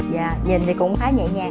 dạ nhìn thì cũng khá nhẹ nhàng